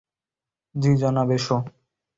জি, জনাব, এসো।